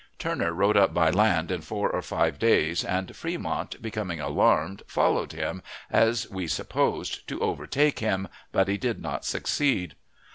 Turner rode up by land in four or five days, and Fremont, becoming alarmed, followed him, as we supposed, to overtake him, but he did not succeed.